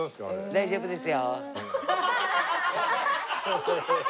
大丈夫です。